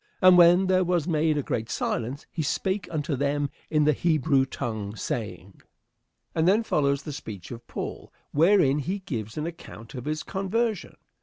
And when there was made a great silence, he spake unto them in the Hebrew tongue, saying," And then follows the speech of Paul, wherein he gives an account of his conversion.